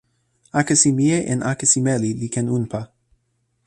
akesi mije en akesi meli li ken unpa.